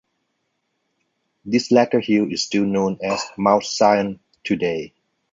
This latter hill is still known as Mount Zion today.